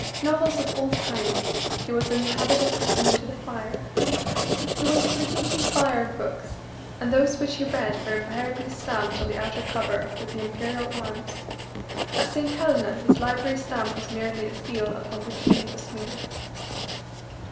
Novels of all kinds he was in the habit of tossing into the fire. He was a prodigious buyer of books, and those which he read were invariably stamped on the outer cover with the imperial arms; at St. Helena his library stamp was merely a seal upon which ink was smeared.